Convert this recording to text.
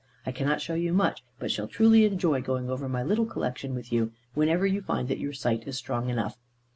I cannot show you much, but shall truly enjoy going over my little collection with you whenever you find that your sight is strong enough.